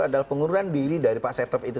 adalah pengurusan diri dari pak setmop itu